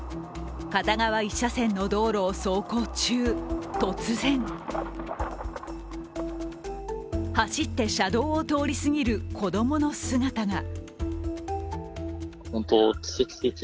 片側１車線の道路を走行中、突然走って車道を通りすぎる子供の姿が。